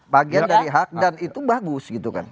bagian dari hak dan itu bagus gitu kan